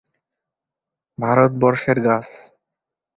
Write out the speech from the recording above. ভারতবর্ষের গাছ।